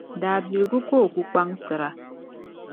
Daabiligu ka o ku kpaŋsira.